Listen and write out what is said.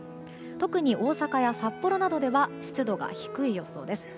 特に大阪や札幌などでは湿度が低い予想です。